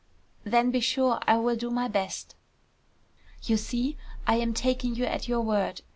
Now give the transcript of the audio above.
"Then be sure I will do my best." "You see, I am taking you at your word.